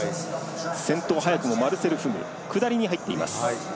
先頭早くもマルセル・フグ下りに入っています。